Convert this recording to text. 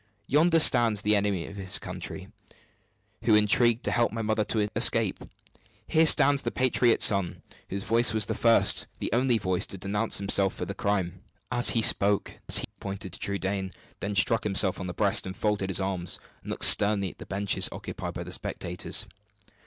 Yonder stands the enemy of his country, who intrigued to help my mother to escape; here stands the patriot son, whose voice was the first, the only voice, to denounce him for the crime!" As he spoke, he pointed to Trudaine, then struck himself on the breast, then folded his arms, and looked sternly at the benches occupied by the spectators.